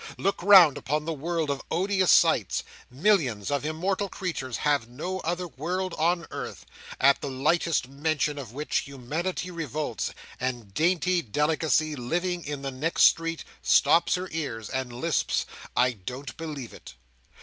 Look round upon the world of odious sights—millions of immortal creatures have no other world on earth—at the lightest mention of which humanity revolts, and dainty delicacy living in the next street, stops her ears, and lisps "I don't believe it!"